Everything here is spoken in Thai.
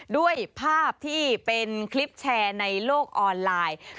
ด้วยภาพที่เป็นคลิปแชร์ในโลกออนไลน์